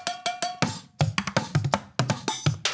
เพื่อสนับสนุนที่สุดท้าย